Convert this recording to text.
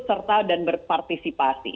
serta dan berpartisipasi